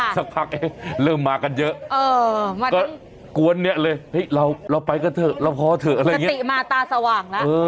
จ้าจ้าจ้าจ้าจ้า